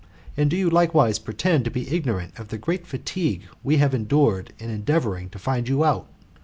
And do you likewise pretend to be ignorant of the great fatigue we have endured in endeavouring to find you out